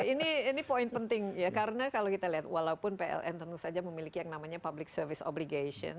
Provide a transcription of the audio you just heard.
ini poin penting ya karena kalau kita lihat walaupun pln tentu saja memiliki yang namanya public service obligation